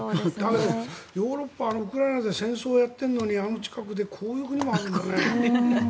ヨーロッパ、ウクライナで戦争しているのにあの近くでこういう国もあるんだね。